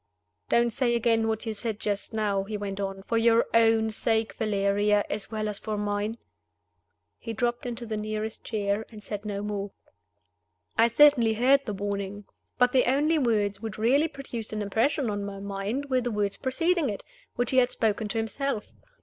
"Don't say again what you said just now," he went on. "For your own sake, Valeria, as well as for mine." He dropped into the nearest chair, and said no more. I certainly heard the warning; but the only words which really produced an impression on my mind were the words preceding it, which he had spoken to himself.